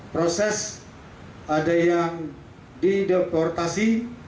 proses ada yang dideportasi